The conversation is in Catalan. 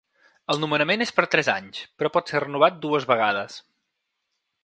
El nomenament és per a tres anys, però pot ser renovat dues vegades.